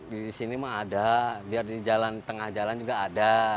di sini mah ada biar di jalan tengah jalan juga ada